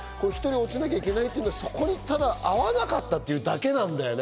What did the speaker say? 落ちなきゃいけないっていうのは、ただそこに合わなかったっていうだけなんだよね。